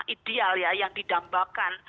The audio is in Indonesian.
ideal ya yang didambakan